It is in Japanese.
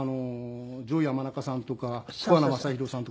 ジョー山中さんとか桑名正博さんとか。